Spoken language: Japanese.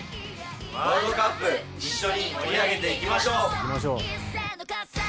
ワールドカップ一緒に盛り上げていきましょう！